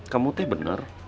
kamu teh bener